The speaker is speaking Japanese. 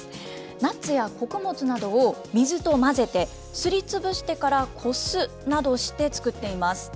ナッツや穀物などを水と混ぜて、すりつぶしてからこすなどして作っています。